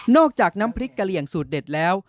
จากน้ำพริกกะเหลี่ยงสูตรเด็ดแล้ว